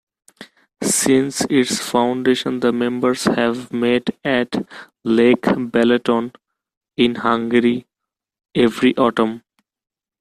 Since its foundation, the members have met at Lake Balaton, in Hungary, every autumn.